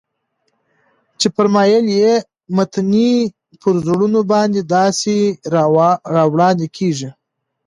چي فرمايل ئې: فتنې پر زړونو باندي داسي راوړاندي كېږي